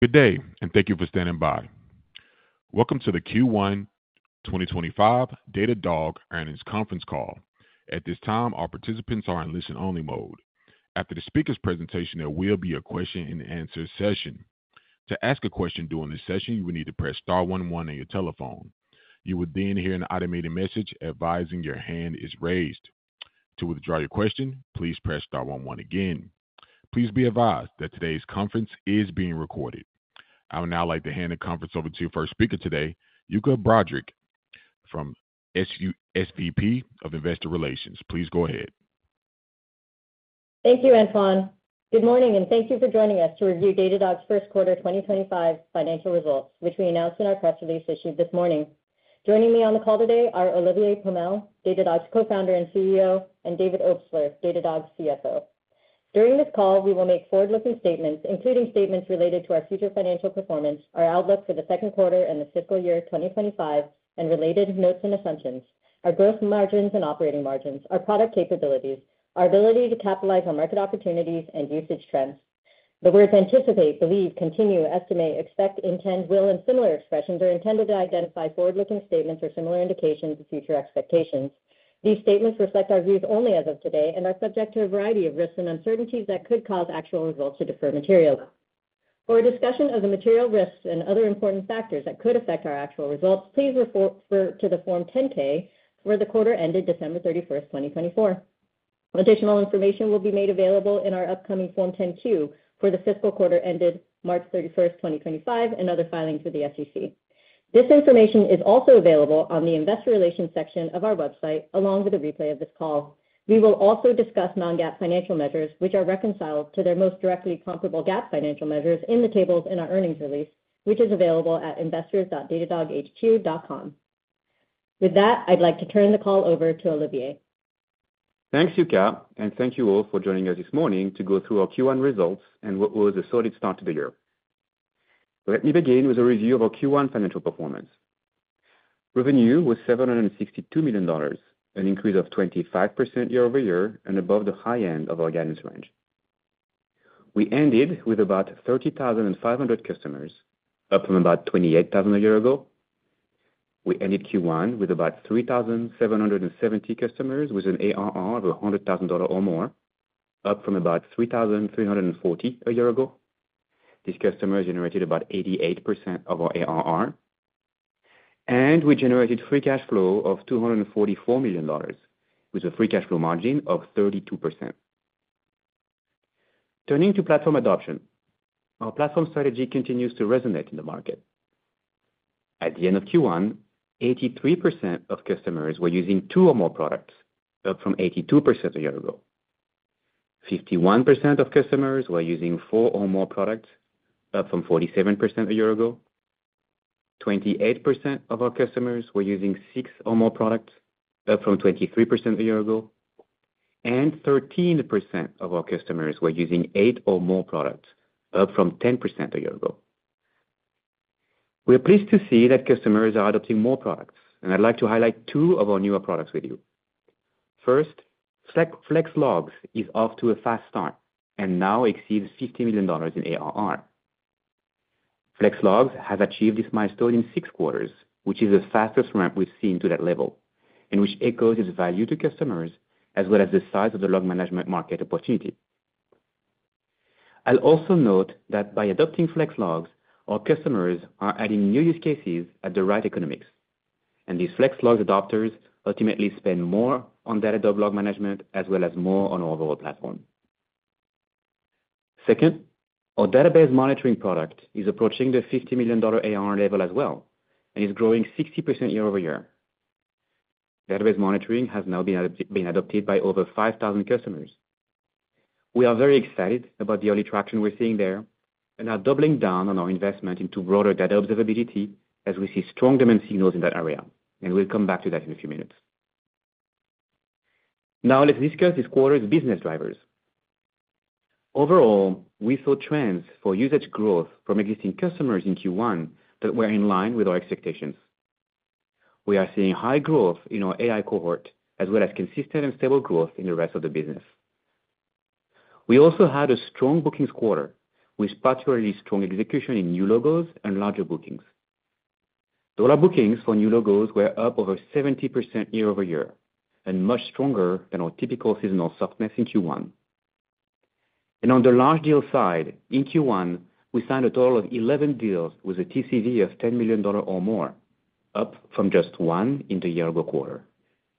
Good day, and thank you for standing by. Welcome to the Q1 2025 Datadog earnings conference call. At this time, our participants are in listen-only mode. After the speaker's presentation, there will be a question-and-answer session. To ask a question during this session, you will need to press star one one on your telephone. You will then hear an automated message advising your hand is raised. To withdraw your question, please press star one one again. Please be advised that today's conference is being recorded. I would now like to hand the conference over to your first speaker today, Yuka Broderick, from SVP of Investor Relations. Please go ahead. Thank you, Antoine. Good morning, and thank you for joining us to review Datadog's first quarter 2025 financial results, which we announced in our press release issued this morning. Joining me on the call today are Olivier Pomel, Datadog's co-founder and CEO, and David Obstler, Datadog CFO. During this call, we will make forward-looking statements, including statements related to our future financial performance, our outlook for the second quarter and the fiscal year 2025, and related notes and assumptions, our gross margins and operating margins, our product capabilities, our ability to capitalize on market opportunities, and usage trends. The words anticipate, believe, continue, estimate, expect, intend, will, and similar expressions are intended to identify forward-looking statements or similar indications of future expectations. These statements reflect our views only as of today and are subject to a variety of risks and uncertainties that could cause actual results to differ materially. For a discussion of the material risks and other important factors that could affect our actual results, please refer to the Form 10-K for the fiscal year ended December 31st, 2024. Additional information will be made available in our upcoming Form 10-Q for the fiscal quarter ended March 31st, 2025, and other filings with the SEC. This information is also available on the Investor Relations section of our website, along with a replay of this call. We will also discuss non-GAAP financial measures, which are reconciled to their most directly comparable GAAP financial measures in the tables in our earnings release, which is available at investors.datadoghq.com. With that, I'd like to turn the call over to Olivier. Thanks, Yuka, and thank you all for joining us this morning to go through our Q1 results and what was a solid start to the year. Let me begin with a review of our Q1 financial performance. Revenue was $762 million, an increase of 25% year-over-year and above the high end of our guidance range. We ended with about 30,500 customers, up from about 28,000 a year ago. We ended Q1 with about 3,770 customers with an ARR of $100,000 or more, up from about 3,340 a year ago. These customers generated about 88% of our ARR. We generated free cash flow of $244 million, with a free cash flow margin of 32%. Turning to platform adoption, our platform strategy continues to resonate in the market. At the end of Q1, 83% of customers were using two or more products, up from 82% a year ago. 51% of customers were using four or more products, up from 47% a year ago. 28% of our customers were using six or more products, up from 23% a year ago. 13% of our customers were using eight or more products, up from 10% a year ago. We are pleased to see that customers are adopting more products, and I'd like to highlight two of our newer products with you. First, Flex Logs is off to a fast start and now exceeds $50 million in ARR. Flex Logs has achieved this milestone in six quarters, which is the fastest ramp we've seen to that level, and which echoes its value to customers as well as the size of the log management market opportunity. I'll also note that by adopting Flex Logs, our customers are adding new use cases at the right economics. These Flex Logs adopters ultimately spend more on Datadog log management as well as more on our overall platform. Second, our Database Monitoring product is approaching the $50 million ARR level as well and is growing 60% year-over-year. Database Monitoring has now been adopted by over 5,000 customers. We are very excited about the early traction we're seeing there and are doubling down on our investment into broader data observability as we see strong demand signals in that area. We will come back to that in a few minutes. Now, let's discuss this quarter's business drivers. Overall, we saw trends for usage growth from existing customers in Q1 that were in line with our expectations. We are seeing high growth in our AI cohort as well as consistent and stable growth in the rest of the business. We also had a strong bookings quarter, with particularly strong execution in new logos and larger bookings. Dollar bookings for new logos were up over 70% year-over-year and much stronger than our typical seasonal softness in Q1. On the large deal side, in Q1, we signed a total of 11 deals with a TCV of $10 million or more, up from just one in the year-over-quarter,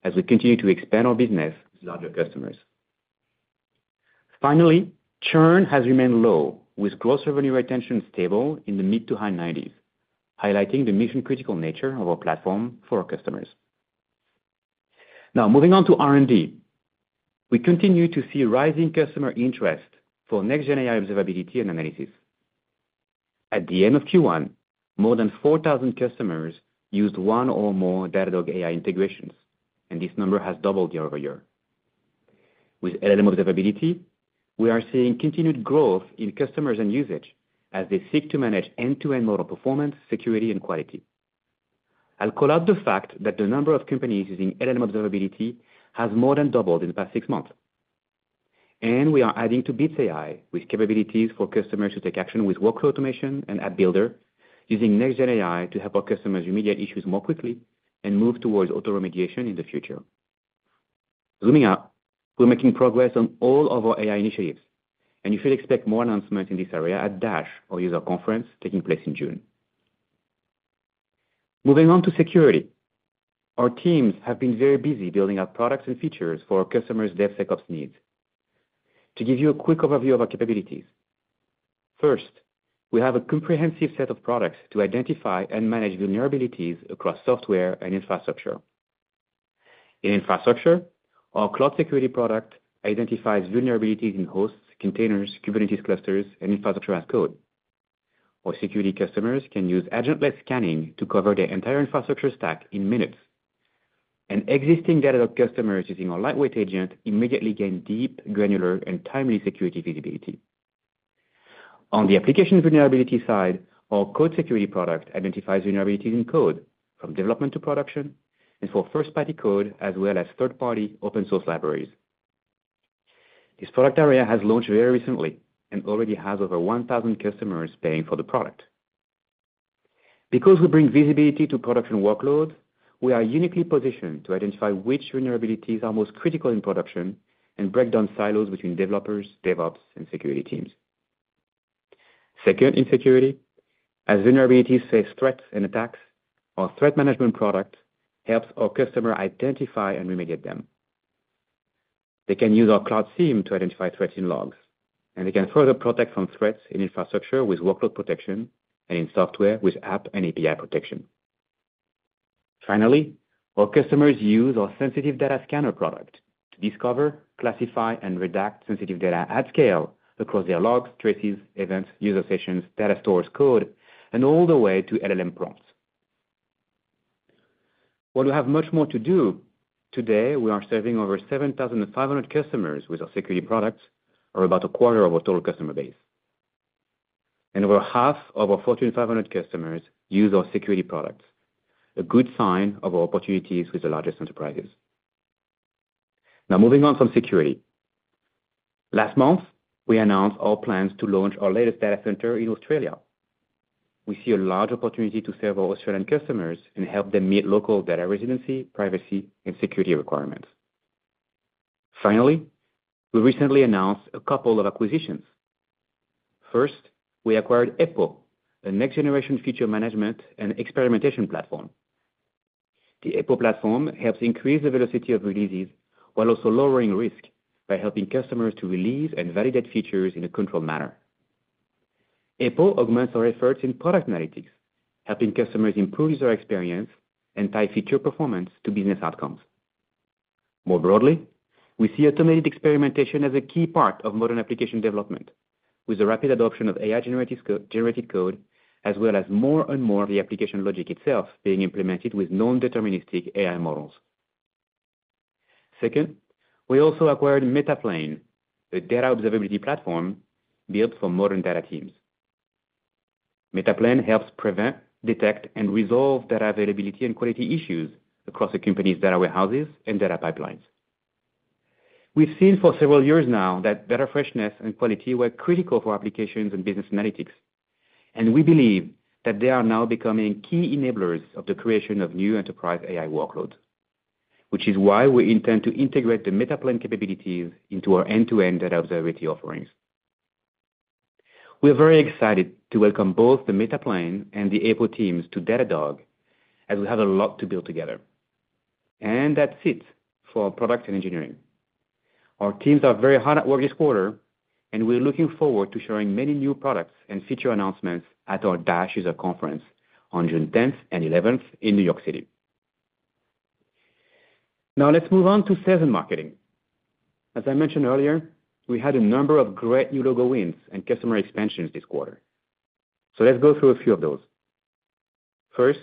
as we continue to expand our business with larger customers. Finally, churn has remained low, with gross revenue retention stable in the mid to high 90s, highlighting the mission-critical nature of our platform for our customers. Now, moving on to R&D, we continue to see rising customer interest for next-gen AI observability and analysis. At the end of Q1, more than 4,000 customers used one or more Datadog AI integrations, and this number has doubled year-over-year. With LLM Observability, we are seeing continued growth in customers and usage as they seek to manage end-to-end model performance, security, and quality. I'll call out the fact that the number of companies using LLM Observability has more than doubled in the past six months. We are adding to Bits AI with capabilities for customers to take action with workflow automation and app builder using next-gen AI to help our customers remediate issues more quickly and move towards auto-remediation in the future. Zooming out, we're making progress on all of our AI initiatives, and you should expect more announcements in this area at DASH, our user conference taking place in June. Moving on to security, our teams have been very busy building our products and features for our customers' DevSecOps needs. To give you a quick overview of our capabilities, first, we have a comprehensive set of products to identify and manage vulnerabilities across software and infrastructure. In infrastructure, our cloud security product identifies vulnerabilities in hosts, containers, Kubernetes clusters, and infrastructure as code. Our security customers can use agentless scanning to cover their entire infrastructure stack in minutes. Existing Datadog customers using our lightweight agent immediately gain deep, granular, and timely security visibility. On the application vulnerability side, our code security product identifies vulnerabilities in code from development to production and for first-party code as well as third-party open-source libraries. This product area has launched very recently and already has over 1,000 customers paying for the product. Because we bring visibility to production workloads, we are uniquely positioned to identify which vulnerabilities are most critical in production and break down silos between developers, DevOps, and security teams. Second, in security, as vulnerabilities face threats and attacks, our threat management product helps our customer identify and remediate them. They can use our cloud SIEM to identify threats in logs, and they can further protect from threats in infrastructure with workload protection and in software with App and API Protection. Finally, our customers use our Sensitive Data Scanner product to discover, classify, and redact sensitive data at scale across their logs, traces, events, user sessions, data stores, code, and all the way to LLM prompts. While we have much more to do, today, we are serving over 7,500 customers with our security products, or about a quarter of our total customer base. Over half of our Fortune 500 customers use our security products, a good sign of our opportunities with the largest enterprises. Now, moving on from security, last month, we announced our plans to launch our latest data center in Australia. We see a large opportunity to serve our Australian customers and help them meet local data residency, privacy, and security requirements. Finally, we recently announced a couple of acquisitions. First, we acquired Eppo, a next-generation feature management and experimentation platform. The Eppo platform helps increase the velocity of releases while also lowering risk by helping customers to release and validate features in a controlled manner. Eppo augments our efforts in product analytics, helping customers improve user experience and tie feature performance to business outcomes. More broadly, we see automated experimentation as a key part of modern application development, with the rapid adoption of AI-generated code, as well as more and more of the application logic itself being implemented with non-deterministic AI models. Second, we also acquired Metaplane, a data observability platform built for modern data teams. Metaplane helps prevent, detect, and resolve data availability and quality issues across the company's data warehouses and data pipelines. We've seen for several years now that data freshness and quality were critical for applications and business analytics, and we believe that they are now becoming key enablers of the creation of new enterprise AI workloads, which is why we intend to integrate the Metaplane capabilities into our end-to-end data observability offerings. We are very excited to welcome both the Metaplane and the Eppo teams to Datadog, as we have a lot to build together. That is it for our product and engineering. Our teams are very hard at work this quarter, and we're looking forward to sharing many new products and feature announcements at our DASH user conference on June 10th and 11th in New York City. Now, let's move on to sales and marketing. As I mentioned earlier, we had a number of great new logo wins and customer expansions this quarter. Let's go through a few of those. First,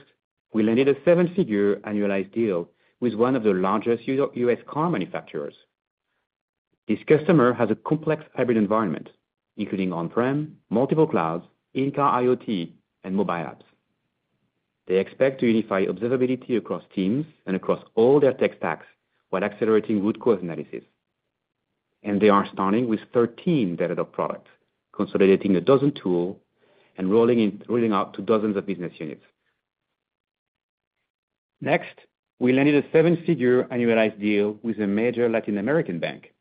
we landed a seven-figure annualized deal with one of the largest U.S. car manufacturers. This customer has a complex hybrid environment, including on-prem, multiple clouds, in-car IoT, and mobile apps. They expect to unify observability across teams and across all their tech stacks while accelerating root cause analysis. They are starting with 13 Datadog products, consolidating a dozen tools, and rolling out to dozens of business units. Next, we landed a seven-figure annualized deal with a major Latin American bank.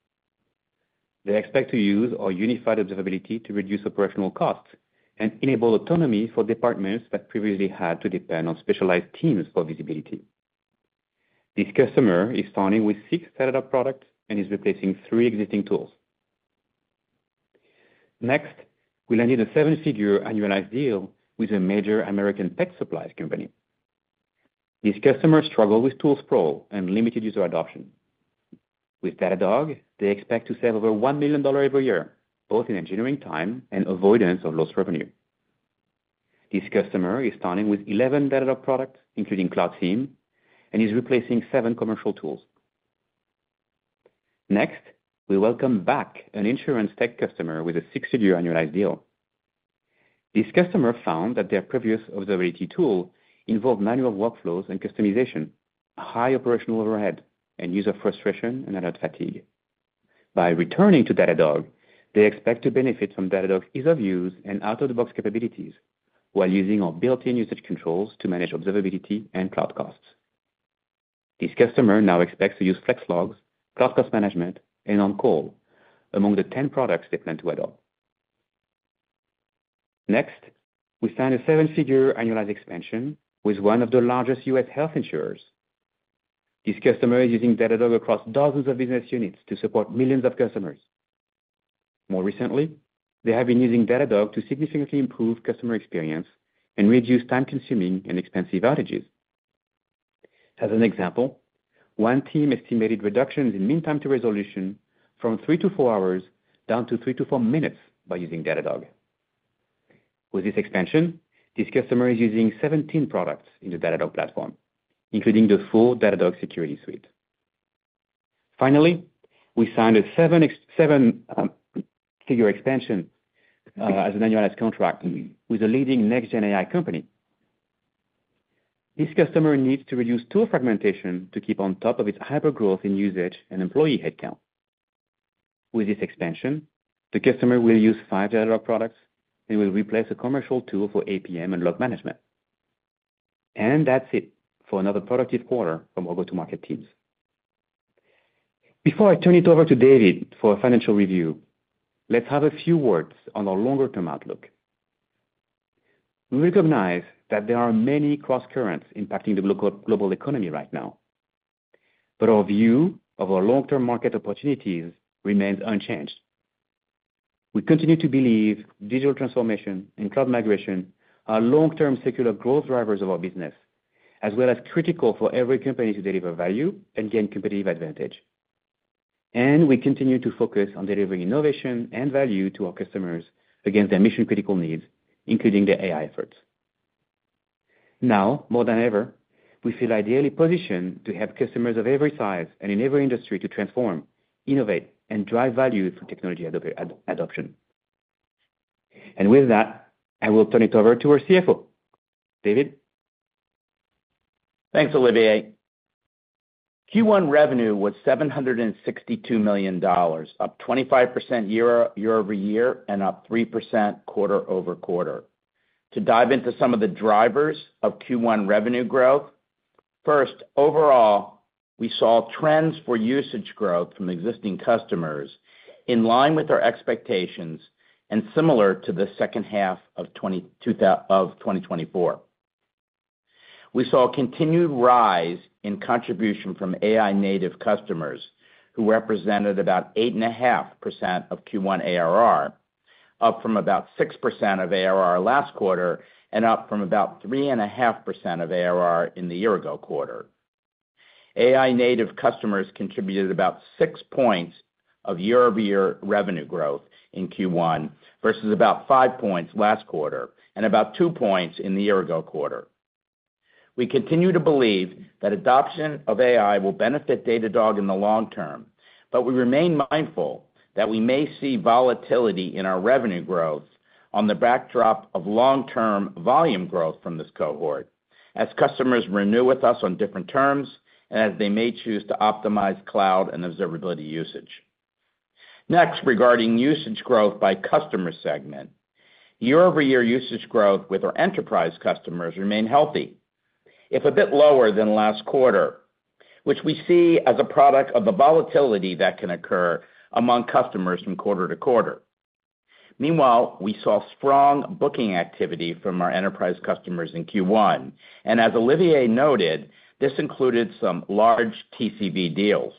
They expect to use our unified observability to reduce operational costs and enable autonomy for departments that previously had to depend on specialized teams for visibility. This customer is starting with six Datadog products and is replacing three existing tools. Next, we landed a seven-figure annualized deal with a major American pet supplies company. This customer struggled with tool sprawl and limited user adoption. With Datadog, they expect to save over $1 million every year, both in engineering time and avoidance of lost revenue. This customer is starting with 11 Datadog products, including Cloud SIEM, and is replacing seven commercial tools. Next, we welcome back an insurance tech customer with a six-figure annualized deal. This customer found that their previous observability tool involved manual workflows and customization, high operational overhead, and user frustration and alert fatigue. By returning to Datadog, they expect to benefit from Datadog's ease of use and out-of-the-box capabilities while using our built-in usage controls to manage observability and cloud costs. This customer now expects to use Flex Logs, Cloud Cost Management, and on-call among the 10 products they plan to adopt. Next, we signed a seven-figure annualized expansion with one of the largest U.S. health insurers. This customer is using Datadog across dozens of business units to support millions of customers. More recently, they have been using Datadog to significantly improve customer experience and reduce time-consuming and expensive outages. As an example, one team estimated reductions in mean time to resolution from three to four hours down to three to four minutes by using Datadog. With this expansion, this customer is using 17 products in the Datadog platform, including the full Datadog security suite. Finally, we signed a seven-figure expansion as an annualized contract with a leading next-gen AI company. This customer needs to reduce tool fragmentation to keep on top of its hypergrowth in usage and employee headcount. With this expansion, the customer will use five Datadog products and will replace a commercial tool for APM and log management. That is it for another productive quarter from our go-to-market teams. Before I turn it over to David for a financial review, let's have a few words on our longer-term outlook. We recognize that there are many cross-currents impacting the global economy right now, but our view of our long-term market opportunities remains unchanged. We continue to believe digital transformation and cloud migration are long-term secular growth drivers of our business, as well as critical for every company to deliver value and gain competitive advantage. We continue to focus on delivering innovation and value to our customers against their mission-critical needs, including their AI efforts. Now, more than ever, we feel ideally positioned to help customers of every size and in every industry to transform, innovate, and drive value through technology adoption. With that, I will turn it over to our CFO. David? Thanks, Olivier. Q1 revenue was $762 million, up 25% year-over-year and up 3% quarter-over-quarter. To dive into some of the drivers of Q1 revenue growth, first, overall, we saw trends for usage growth from existing customers in line with our expectations and similar to the second half of 2024. We saw a continued rise in contribution from AI-native customers, who represented about 8.5% of Q1 ARR, up from about 6% of ARR last quarter and up from about 3.5% of ARR in the year-ago quarter. AI-native customers contributed about six points of year-over-year revenue growth in Q1 versus about five points last quarter and about two points in the year-ago quarter. We continue to believe that adoption of AI will benefit Datadog in the long term, but we remain mindful that we may see volatility in our revenue growth on the backdrop of long-term volume growth from this cohort, as customers renew with us on different terms and as they may choose to optimize cloud and observability usage. Next, regarding usage growth by customer segment, year-over-year usage growth with our enterprise customers remained healthy, if a bit lower than last quarter, which we see as a product of the volatility that can occur among customers from quarter-to-quarter. Meanwhile, we saw strong booking activity from our enterprise customers in Q1. As Olivier noted, this included some large TCV deals.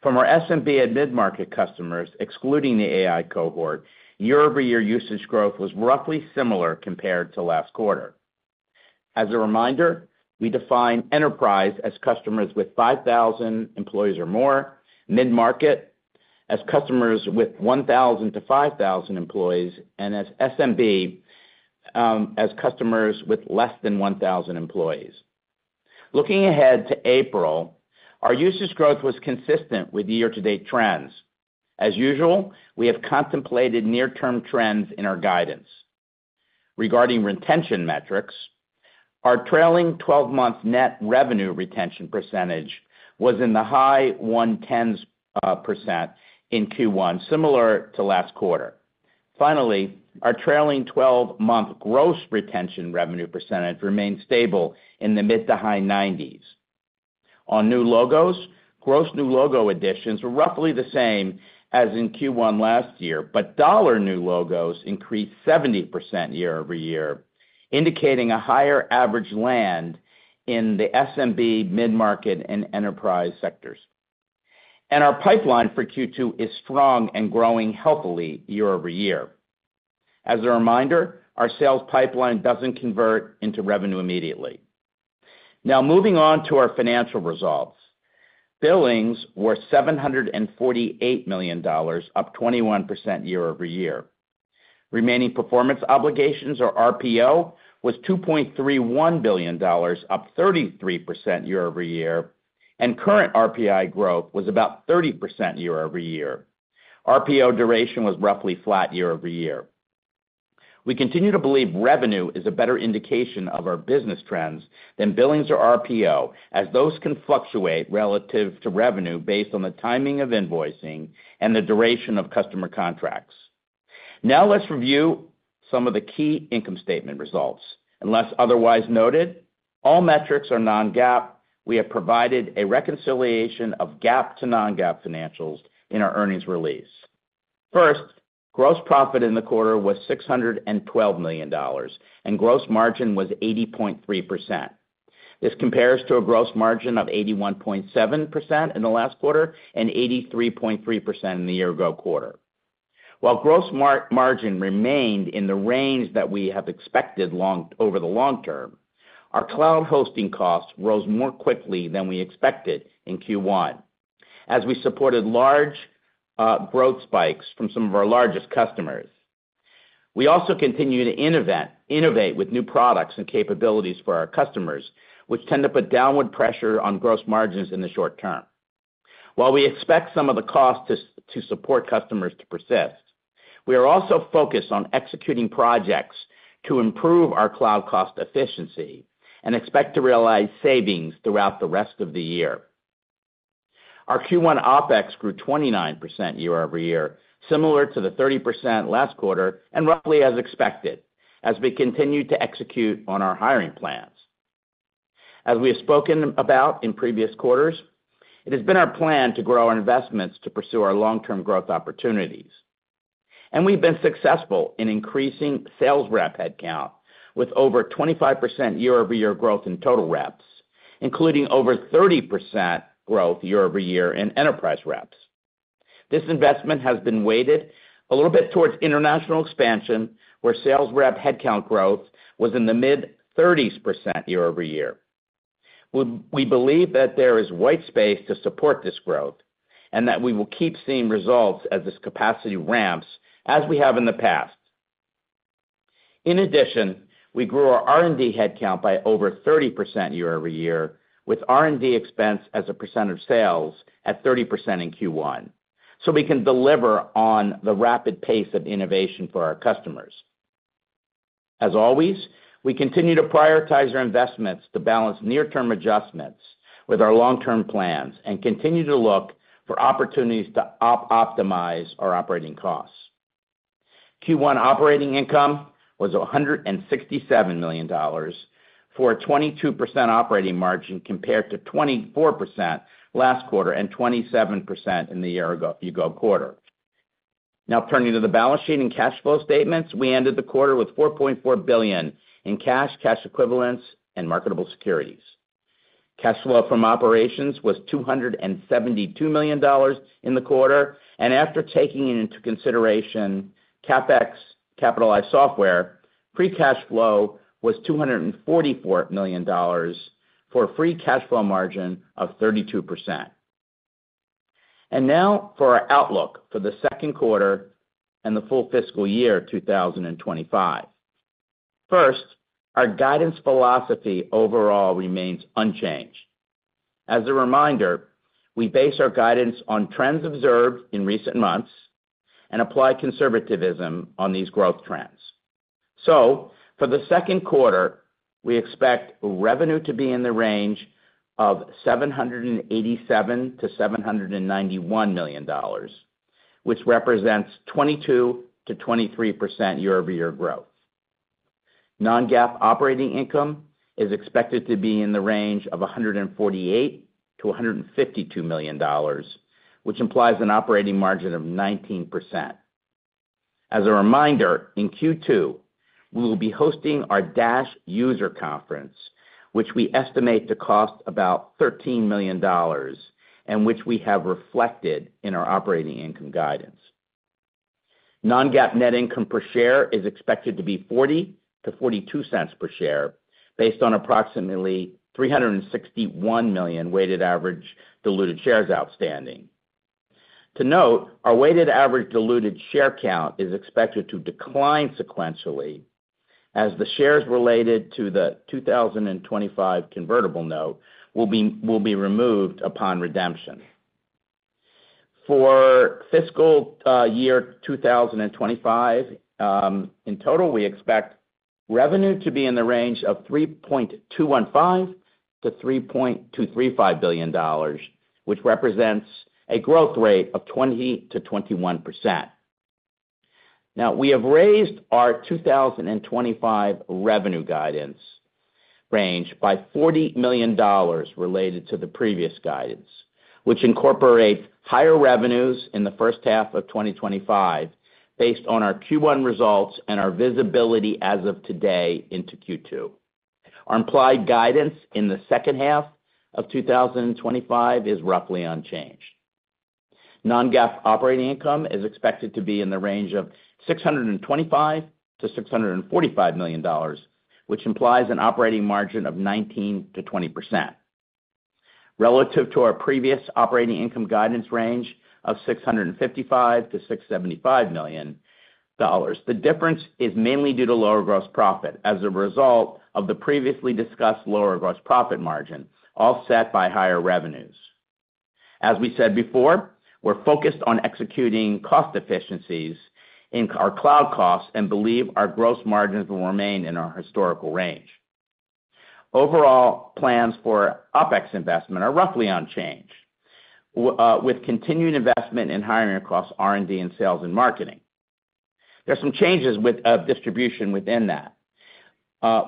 From our SMB and mid-market customers, excluding the AI cohort, year-over-year usage growth was roughly similar compared to last quarter. As a reminder, we define enterprise as customers with 5,000 employees or more, mid-market as customers with 1,000-5,000 employees, and SMB as customers with less than 1,000 employees. Looking ahead to April, our usage growth was consistent with year-to-date trends. As usual, we have contemplated near-term trends in our guidance. Regarding retention metrics, our trailing 12-month net revenue retention percentage was in the high 110% in Q1, similar to last quarter. Finally, our trailing 12-month gross retention revenue percentage remained stable in the mid to high 90s. On new logos, gross new logo additions were roughly the same as in Q1 last year, but dollar new logos increased 70% year-over-year, indicating a higher average land in the SMB, mid-market, and enterprise sectors. Our pipeline for Q2 is strong and growing healthily year-over-year. As a reminder, our sales pipeline doesn't convert into revenue immediately. Now, moving on to our financial results. Billings were $748 million, up 21% year-over-year. Remaining performance obligations, or RPO, was $2.31 billion, up 33% year-over-year, and current RPO growth was about 30% year-over-year. RPO duration was roughly flat year-over-year. We continue to believe revenue is a better indication of our business trends than billings or RPO, as those can fluctuate relative to revenue based on the timing of invoicing and the duration of customer contracts. Now, let's review some of the key income statement results. Unless otherwise noted, all metrics are non-GAAP. We have provided a reconciliation of GAAP to non-GAAP financials in our earnings release. First, gross profit in the quarter was $612 million, and gross margin was 80.3%. This compares to a gross margin of 81.7% in the last quarter and 83.3% in the year-ago quarter. While gross margin remained in the range that we have expected over the long term, our cloud hosting costs rose more quickly than we expected in Q1, as we supported large growth spikes from some of our largest customers. We also continue to innovate with new products and capabilities for our customers, which tend to put downward pressure on gross margins in the short term. While we expect some of the costs to support customers to persist, we are also focused on executing projects to improve our cloud cost efficiency and expect to realize savings throughout the rest of the year. Our Q1 OpEx grew 29% year-over-year, similar to the 30% last quarter and roughly as expected, as we continue to execute on our hiring plans. As we have spoken about in previous quarters, it has been our plan to grow our investments to pursue our long-term growth opportunities. We have been successful in increasing sales rep headcount with over 25% year-over-year growth in total reps, including over 30% growth year-over-year in enterprise reps. This investment has been weighted a little bit towards international expansion, where sales rep headcount growth was in the mid-30% year-over-year. We believe that there is white space to support this growth and that we will keep seeing results as this capacity ramps, as we have in the past. In addition, we grew our R&D headcount by over 30% year-over-year, with R&D expense as a percent of sales at 30% in Q1, so we can deliver on the rapid pace of innovation for our customers. As always, we continue to prioritize our investments to balance near-term adjustments with our long-term plans and continue to look for opportunities to optimize our operating costs. Q1 operating income was $167 million for a 22% operating margin compared to 24% last quarter and 27% in the year-ago quarter. Now, turning to the balance sheet and cash flow statements, we ended the quarter with $4.4 billion in cash, cash equivalents, and marketable securities. Cash flow from operations was $272 million in the quarter. After taking into consideration CapEx capitalized software, free cash flow was $244 million for a free cash flow margin of 32%. Now for our outlook for the second quarter and the full fiscal year 2025. First, our guidance philosophy overall remains unchanged. As a reminder, we base our guidance on trends observed in recent months and apply conservatism on these growth trends. For the second quarter, we expect revenue to be in the range of $787 million-$791 million, which represents 22%-23% year-over-year growth. Non-GAAP operating income is expected to be in the range of $148 million-$152 million, which implies an operating margin of 19%. As a reminder, in Q2, we will be hosting our DASH User Conference, which we estimate to cost about $13 million, and which we have reflected in our operating income guidance. Non-GAAP net income per share is expected to be $0.40-$0.42 per share based on approximately 361 million weighted average diluted shares outstanding. To note, our weighted average diluted share count is expected to decline sequentially as the shares related to the 2025 convertible note will be removed upon redemption. For fiscal year 2025, in total, we expect revenue to be in the range of $3.215 billion-$3.235 billion, which represents a growth rate of 20%-21%. Now, we have raised our 2025 revenue guidance range by $40 million related to the previous guidance, which incorporates higher revenues in the first half of 2025 based on our Q1 results and our visibility as of today into Q2. Our implied guidance in the second half of 2025 is roughly unchanged. Non-GAAP operating income is expected to be in the range of $625 million-$645 million, which implies an operating margin of 19%-20%. Relative to our previous operating income guidance range of $655 million-$675 million, the difference is mainly due to lower gross profit as a result of the previously discussed lower gross profit margin, offset by higher revenues. As we said before, we're focused on executing cost efficiencies in our cloud costs and believe our gross margins will remain in our historical range. Overall, plans for OpEx investment are roughly unchanged, with continued investment in hiring across R&D and sales and marketing. There are some changes of distribution within that.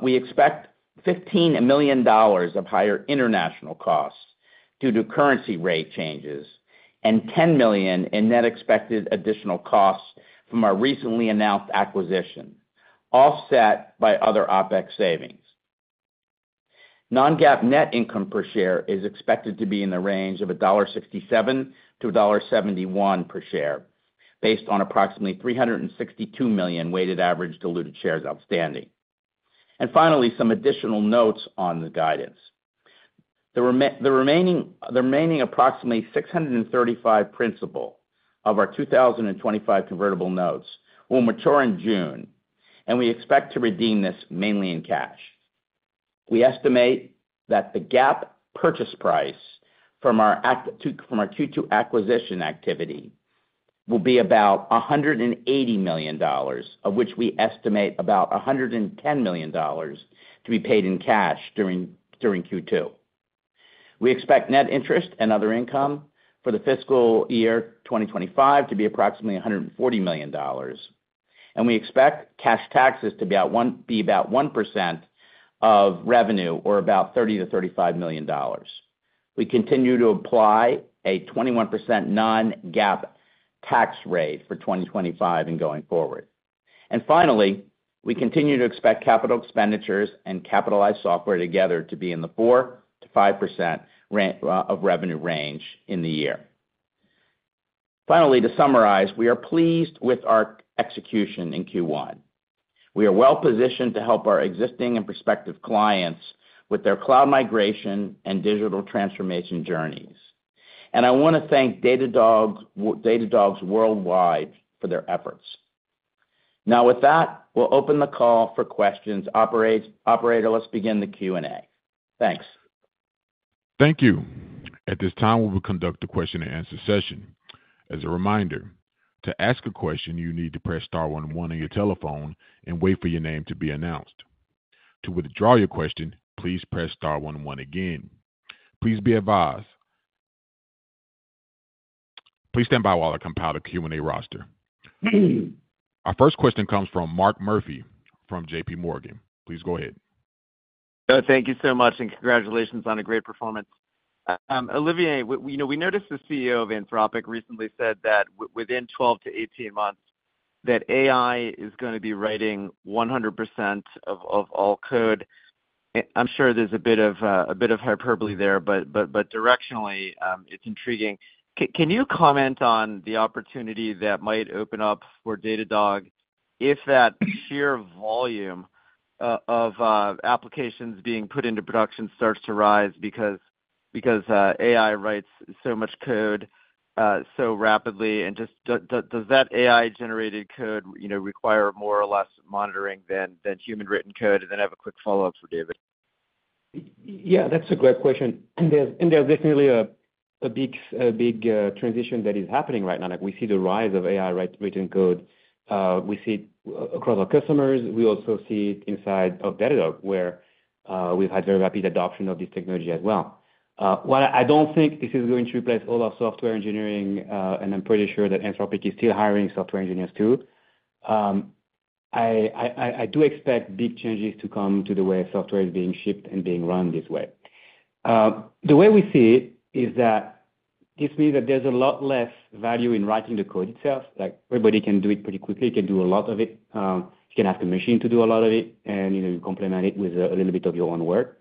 We expect $15 million of higher international costs due to currency rate changes and $10 million in net expected additional costs from our recently announced acquisition, offset by other OpEx savings. Non-GAAP net income per share is expected to be in the range of $1.67-$1.71 per share based on approximately 362 million weighted average diluted shares outstanding. Finally, some additional notes on the guidance. The remaining approximately $635 million principal of our 2025 convertible notes will mature in June, and we expect to redeem this mainly in cash. We estimate that the GAAP purchase price from our Q2 acquisition activity will be about $180 million, of which we estimate about $110 million to be paid in cash during Q2. We expect net interest and other income for the fiscal year 2025 to be approximately $140 million, and we expect cash taxes to be about 1% of revenue, or about $30 million-$35 million. We continue to apply a 21% non-GAAP tax rate for 2025 and going forward. Finally, we continue to expect capital expenditures and capitalized software together to be in the 4%-5% of revenue range in the year. To summarize, we are pleased with our execution in Q1. We are well-positioned to help our existing and prospective clients with their cloud migration and digital transformation journeys. I want to thank Datadog's Worldwide for their efforts. Now, with that, we'll open the call for questions. Operator, let's begin the Q&A. Thanks. Thank you. At this time, we will conduct a question-and-answer session. As a reminder, to ask a question, you need to press star one one on your telephone and wait for your name to be announced. To withdraw your question, please press star one one again. Please stand by while I compile the Q&A roster. Our first question comes from Mark Murphy from JPMorgan. Please go ahead. Thank you so much, and congratulations on a great performance. Olivier, we noticed the CEO of Anthropic recently said that within 12-18 months, AI is going to be writing 100% of all code. I'm sure there's a bit of hyperbole there, but directionally, it's intriguing. Can you comment on the opportunity that might open up for Datadog if that sheer volume of applications being put into production starts to rise because AI writes so much code so rapidly? Does that AI-generated code require more or less monitoring than human-written code? I have a quick follow-up for David. Yeah, that's a great question. There's definitely a big transition that is happening right now. We see the rise of AI-written code. We see it across our customers. We also see it inside of Datadog, where we've had very rapid adoption of this technology as well. While I don't think this is going to replace all our software engineering, and I'm pretty sure that Anthropic is still hiring software engineers too, I do expect big changes to come to the way software is being shipped and being run this way. The way we see it is that this means that there's a lot less value in writing the code itself. Everybody can do it pretty quickly. You can do a lot of it. You can ask a machine to do a lot of it, and you complement it with a little bit of your own work.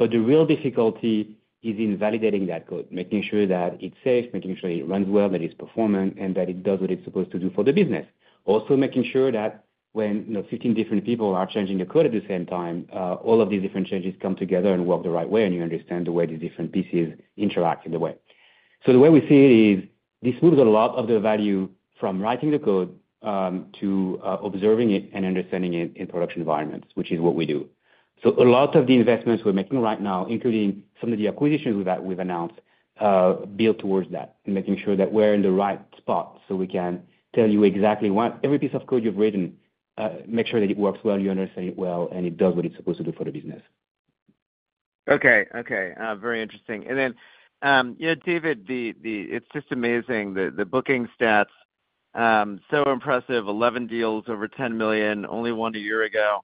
The real difficulty is in validating that code, making sure that it's safe, making sure it runs well, that it's performant, and that it does what it's supposed to do for the business. Also, making sure that when 15 different people are changing the code at the same time, all of these different changes come together and work the right way, and you understand the way the different pieces interact in the way. The way we see it is this moves a lot of the value from writing the code to observing it and understanding it in production environments, which is what we do. A lot of the investments we're making right now, including some of the acquisitions we've announced, build towards that and making sure that we're in the right spot so we can tell you exactly what every piece of code you've written, make sure that it works well, you understand it well, and it does what it's supposed to do for the business. Okay. Okay. Very interesting. And then, David, it's just amazing. The booking stats are so impressive. 11 deals over $10 million, only one a year ago.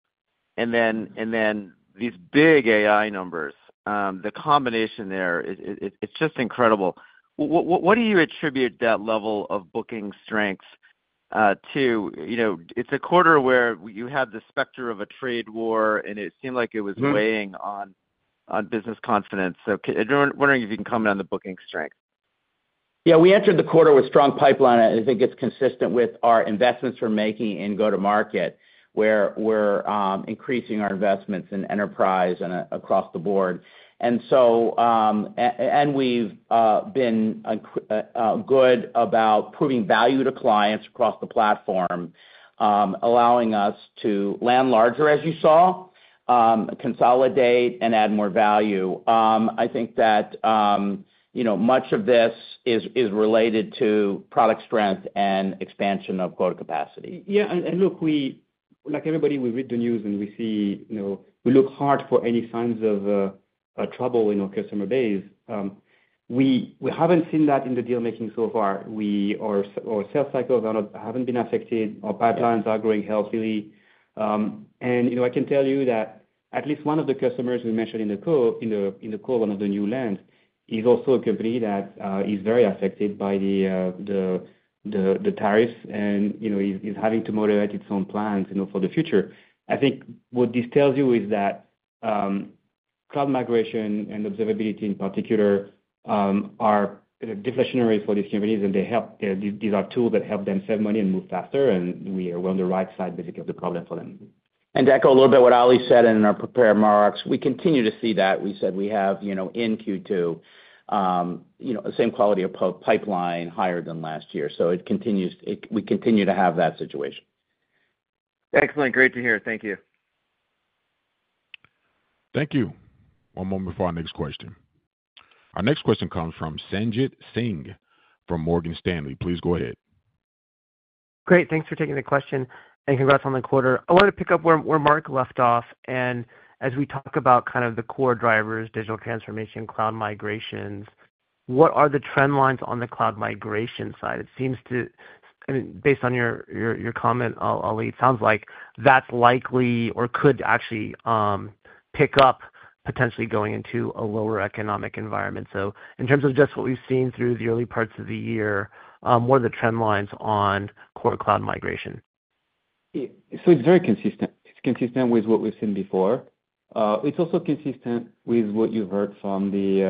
These big AI numbers, the combination there, it's just incredible. What do you attribute that level of booking strength to? It's a quarter where you have the specter of a trade war, and it seemed like it was weighing on business confidence. I'm wondering if you can comment on the booking strength. Yeah. We entered the quarter with strong pipeline, and I think it's consistent with our investments we're making in go-to-market, where we're increasing our investments in enterprise and across the board. We've been good about proving value to clients across the platform, allowing us to land larger, as you saw, consolidate, and add more value. I think that much of this is related to product strength and expansion of quota capacity. Yeah. Look, like everybody, we read the news and we look hard for any signs of trouble in our customer base. We haven't seen that in the deal-making so far. Our sales cycles haven't been affected. Our pipelines are growing healthily. I can tell you that at least one of the customers we mentioned in the call, one of the new lands, is also a company that is very affected by the tariffs and is having to moderate its own plans for the future. I think what this tells you is that cloud migration and observability, in particular, are deflationary for these companies, and these are tools that help them save money and move faster. We are on the right side, basically, of the problem for them. To echo a little bit what Oli said in our prepared remarks, we continue to see that. We said we have in Q2 the same quality of pipeline higher than last year. We continue to have that situation. Excellent. Great to hear. Thank you. Thank you. One moment before our next question. Our next question comes from Sanjit Singh from Morgan Stanley. Please go ahead. Great. Thanks for taking the question and congrats on the quarter. I wanted to pick up where Mark left off. As we talk about kind of the core drivers, digital transformation, cloud migrations, what are the trend lines on the cloud migration side? It seems to, based on your comment, Oli, it sounds like that's likely or could actually pick up potentially going into a lower economic environment. In terms of just what we've seen through the early parts of the year, what are the trend lines on core cloud migration? It's very consistent. It's consistent with what we've seen before. It's also consistent with what you've heard from the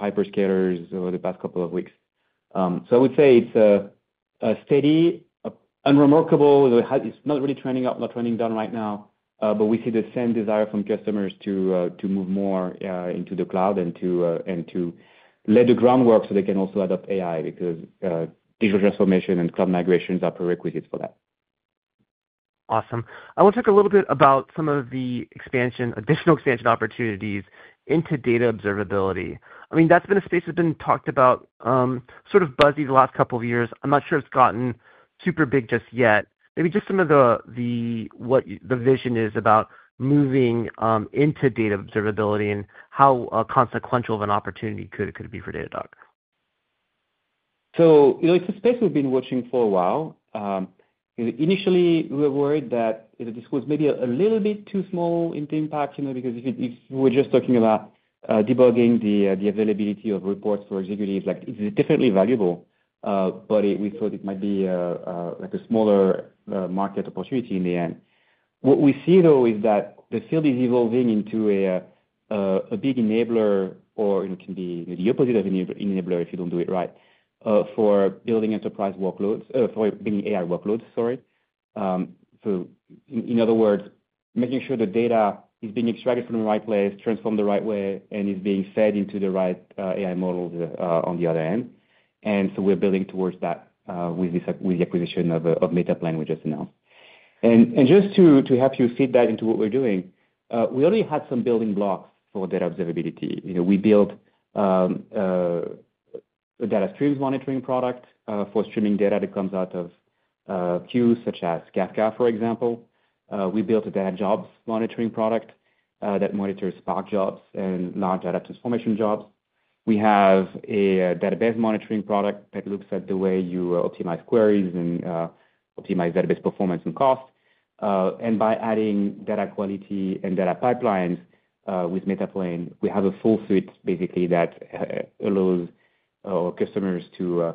hyperscalers over the past couple of weeks. I would say it's a steady, unremarkable. It's not really trending up, not trending down right now, but we see the same desire from customers to move more into the cloud and to lay the groundwork so they can also adopt AI because digital transformation and cloud migrations are prerequisites for that. Awesome. I want to talk a little bit about some of the additional expansion opportunities into data observability. I mean, that's been a space that's been talked about, sort of buzzed the last couple of years. I'm not sure it's gotten super big just yet. Maybe just some of what the vision is about moving into data observability and how consequential of an opportunity could it be for Datadog? It's a space we've been watching for a while. Initially, we were worried that this was maybe a little bit too small in the impact because if we're just talking about debugging the availability of reports for executives, it's definitely valuable, but we thought it might be a smaller market opportunity in the end. What we see, though, is that the field is evolving into a big enabler, or it can be the opposite of an enabler if you don't do it right, for building enterprise workloads, for building AI workloads, sorry. In other words, making sure the data is being extracted from the right place, transformed the right way, and is being fed into the right AI models on the other end. We are building towards that with the acquisition of Metaplane, which was just announced. Just to help you fit that into what we're doing, we already had some building blocks for data observability. We built a data streams monitoring product for streaming data that comes out of queues, such as Kafka, for example. We built a data jobs monitoring product that monitors Spark jobs and large data transformation jobs. We have a database monitoring product that looks at the way you optimize queries and optimize database performance and cost. By adding data quality and data pipelines with Metaplane, we have a full suite, basically, that allows our customers to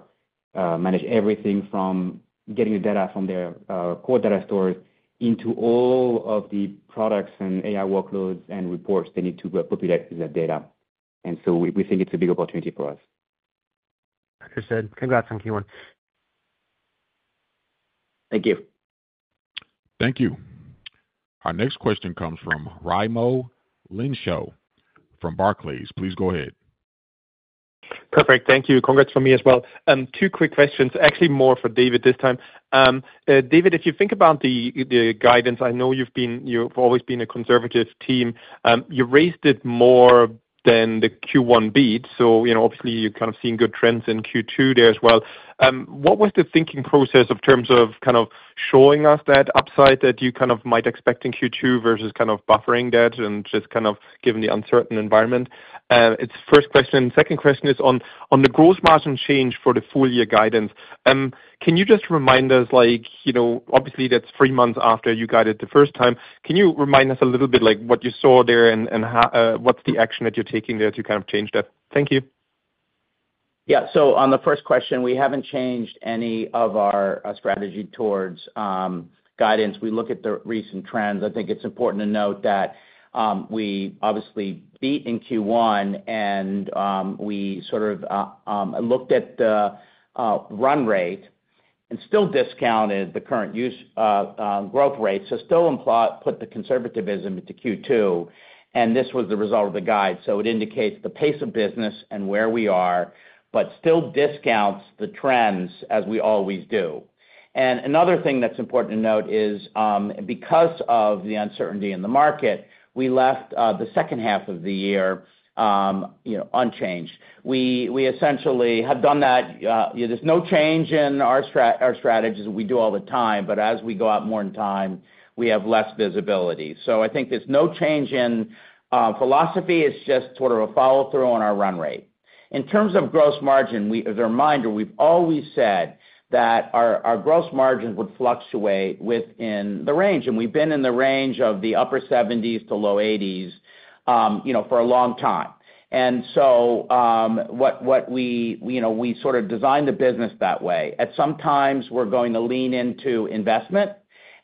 manage everything from getting the data from their core data stores into all of the products and AI workloads and reports they need to populate with that data. We think it's a big opportunity for us. Understood. Congrats on Q1. Thank you. Thank you. Our next question comes from Raimo Lenschow from Barclays. Please go ahead. Perfect. Thank you. Congrats from me as well. Two quick questions, actually more for David this time. David, if you think about the guidance, I know you've always been a conservative team. You raised it more than the Q1 beat. Obviously, you've kind of seen good trends in Q2 there as well. What was the thinking process in terms of kind of showing us that upside that you kind of might expect in Q2 versus kind of buffering that and just kind of given the uncertain environment? That's the first question. Second question is on the gross margin change for the full-year guidance. Can you just remind us, obviously, that's three months after you guided the first time. Can you remind us a little bit what you saw there and what's the action that you're taking there to kind of change that? Thank you. Yeah. On the first question, we have not changed any of our strategy towards guidance. We look at the recent trends. I think it is important to note that we obviously beat in Q1, and we sort of looked at the run rate and still discounted the current growth rate. We still put the conservatism into Q2. This was the result of the guide. It indicates the pace of business and where we are, but still discounts the trends as we always do. Another thing that is important to note is because of the uncertainty in the market, we left the second half of the year unchanged. We essentially have done that. There is no change in our strategies that we do all the time, but as we go out more in time, we have less visibility. I think there is no change in philosophy. It's just sort of a follow-through on our run rate. In terms of gross margin, as a reminder, we've always said that our gross margin would fluctuate within the range. We've been in the range of the upper 70s to low 80s for a long time. We sort of designed the business that way. At some times, we're going to lean into investment,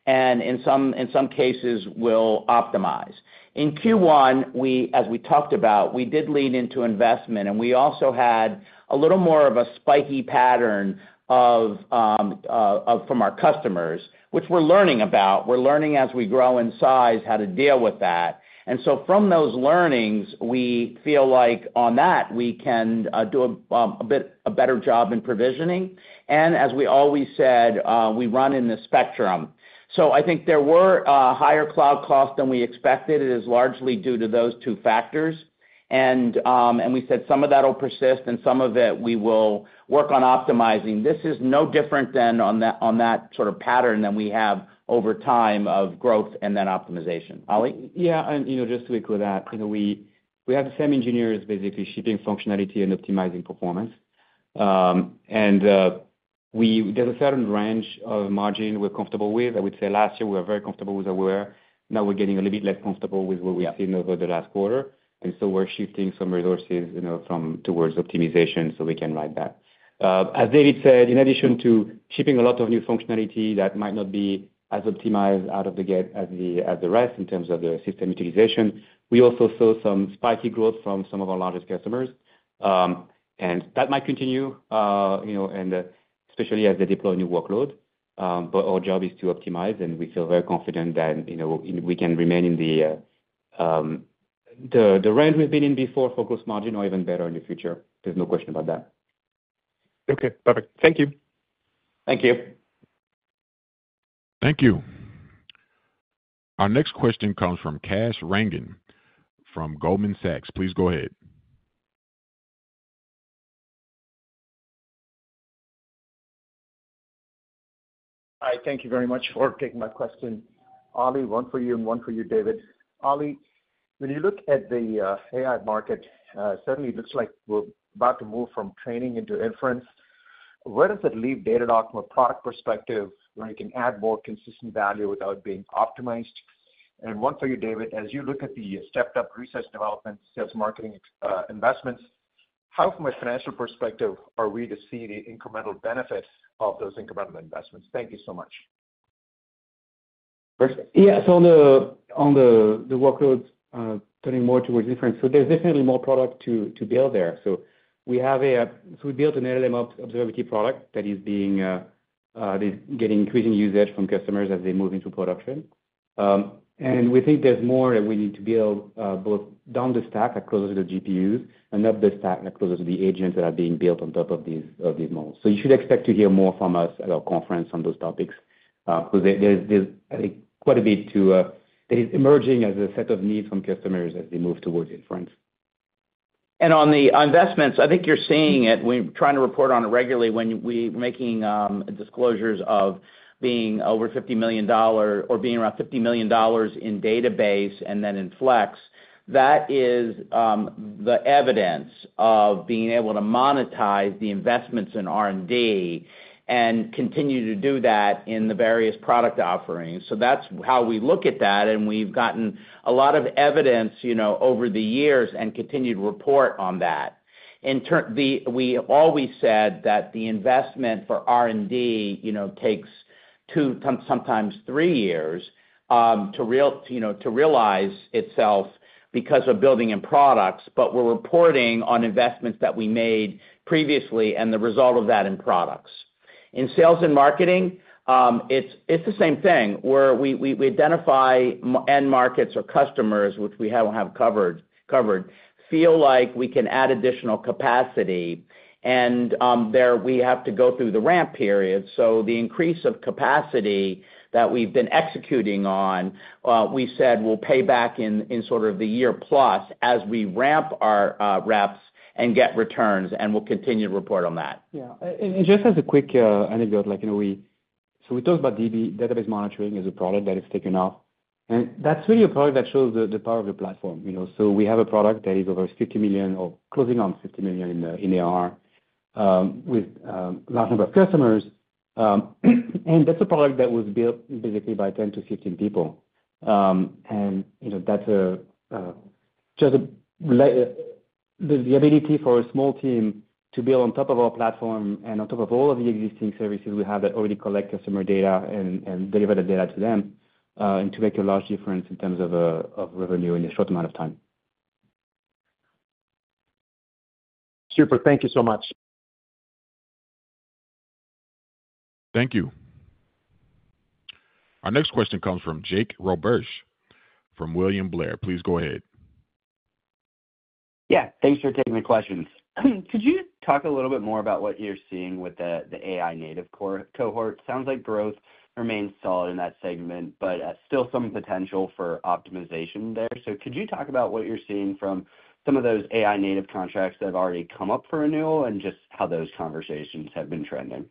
and in some cases, we'll optimize. In Q1, as we talked about, we did lean into investment, and we also had a little more of a spiky pattern from our customers, which we're learning about. We're learning as we grow in size how to deal with that. From those learnings, we feel like on that, we can do a better job in provisioning. As we always said, we run in the spectrum. I think there were higher cloud costs than we expected. It is largely due to those two factors. We said some of that will persist, and some of it we will work on optimizing. This is no different than on that sort of pattern that we have over time of growth and then optimization. Oli? Yeah. Just to echo that, we have the same engineers basically shipping functionality and optimizing performance. There is a certain range of margin we are comfortable with. I would say last year we were very comfortable with our work. Now we are getting a little bit less comfortable with what we have seen over the last quarter. We are shifting some resources towards optimization so we can ride that. As David said, in addition to shipping a lot of new functionality that might not be as optimized out of the gate as the rest in terms of the system utilization, we also saw some spiky growth from some of our largest customers. That might continue, especially as they deploy new workloads. Our job is to optimize, and we feel very confident that we can remain in the range we've been in before for gross margin or even better in the future. There's no question about that. Okay. Perfect. Thank you. Thank you. Thank you. Our next question comes from Kash Rangan from Goldman Sachs. Please go ahead. Hi. Thank you very much for taking my question. Oli, one for you and one for you, David. Oli, when you look at the AI market, certainly it looks like we're about to move from training into inference. Where does it leave Datadog from a product perspective where it can add more consistent value without being optimized? And one for you, David. As you look at the stepped-up research development, sales marketing investments, how from a financial perspective are we to see the incremental benefit of those incremental investments? Thank you so much. Yeah. On the workload turning more towards inference, there's definitely more product to build there. We built an LLM Observability product that is getting increasing usage from customers as they move into production. We think there's more that we need to build both down the stack that closes the GPUs and up the stack that closes the agents that are being built on top of these models. You should expect to hear more from us at our conference on those topics because there's quite a bit that is emerging as a set of needs from customers as they move towards inference. On the investments, I think you're seeing it. We're trying to report on it regularly when we're making disclosures of being over $50 million or being around $50 million in database and then in Flex Logs. That is the evidence of being able to monetize the investments in R&D and continue to do that in the various product offerings. That's how we look at that. We've gotten a lot of evidence over the years and continued report on that. We always said that the investment for R&D takes two, sometimes three years to realize itself because of building in products, but we're reporting on investments that we made previously and the result of that in products. In sales and marketing, it's the same thing where we identify end markets or customers, which we haven't covered, feel like we can add additional capacity. There we have to go through the ramp period. The increase of capacity that we've been executing on, we said will pay back in sort of the year plus as we ramp our reps and get returns, and we'll continue to report on that. Yeah. Just as a quick anecdote, we talked about Database Monitoring as a product that has taken off. That's really a product that shows the power of the platform. We have a product that is over $50 million or closing on $50 million in ARR with a large number of customers. That is a product that was built basically by 10-15 people. That is just the ability for a small team to build on top of our platform and on top of all of the existing services we have that already collect customer data and deliver the data to them and to make a large difference in terms of revenue in a short amount of time. Super. Thank you so much. Thank you. Our next question comes from Jake Roberge from William Blair. Please go ahead. Yeah. Thanks for taking the questions. Could you talk a little bit more about what you are seeing with the AI native cohort? Sounds like growth remains solid in that segment, but still some potential for optimization there. Could you talk about what you're seeing from some of those AI native contracts that have already come up for renewal and just how those conversations have been trending?